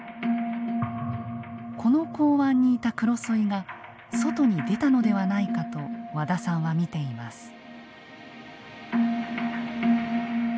この港湾にいたクロソイが外に出たのではないかと和田さんは見ています。